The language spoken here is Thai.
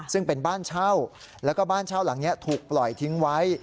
ซึ่งเป็นบ้านเช่าแล้วก็บ้านเช่าหลังนี้ถูกปล่อยทิ้งไว้